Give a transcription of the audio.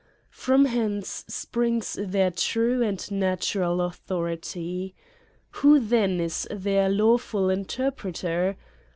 From hence springs their true and natural authority. Who then is their lawful interpreter?